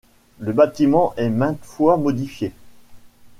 Le bâtiment est maintes fois modifié.